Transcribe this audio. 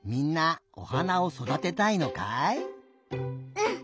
うん！